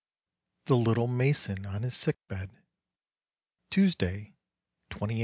THE LITTLE MASON ON HIS SICK BED Tuesday, i8th.